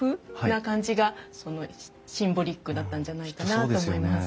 な感じがシンボリックだったんじゃないかなと思います。